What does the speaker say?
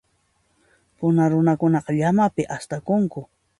Puna runakunaqa, llamapi astakunku.